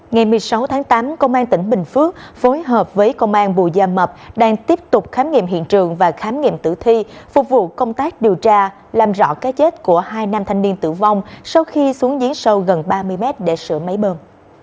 ngày một mươi sáu tháng tám công an tỉnh bình phước phối hợp với công an bù gia mập đang tiếp tục khám nghiệm hiện trường và khám nghiệm tử thi phục vụ công tác điều tra làm rõ cái chết của hai nam thanh niên tử vong sau khi xuống dưới sâu gần ba mươi mét để sửa máy bơm